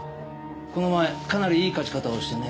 この前かなりいい勝ち方をしてね。